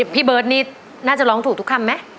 พี่เบิร์ตนี่น่าจะร้องถูกทุกคำไหม